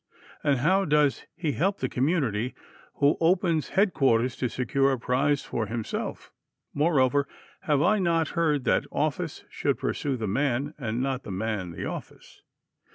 And how does he help the community who opens headquarters to secure a prize for himself? Moreover, have I not heard that office should pursue the man, and not the man the office?